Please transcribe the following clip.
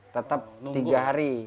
tetap tiga hari